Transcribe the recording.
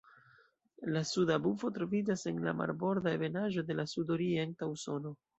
La Suda bufo troviĝas en la marborda ebenaĵo de sudorienta Usono.